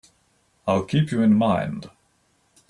I'll keep you in mind.